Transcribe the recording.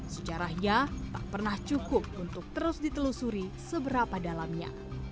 sejarahnya tak pernah cukup untuk terus ditelusuri seberapa dalamnya